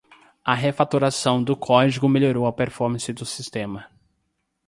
A refatoração do código melhorou a performance do sistema.